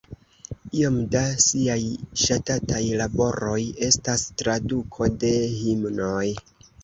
Iom da siaj ŝatataj laboroj estas traduko de himnoj.